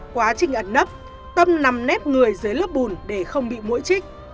quá trình ẩn nấp tâm nằm nếp người dưới lớp bùn để không bị mũi chích